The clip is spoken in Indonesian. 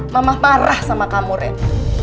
mama marah sama kamu ren